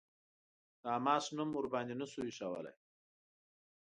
د «حماس» نوم ورباندې نه شو ايښودلای.